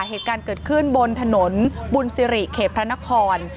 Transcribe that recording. เหตุการณ์เกิดขึ้นบนถนนบุญสิริเขตพระนคร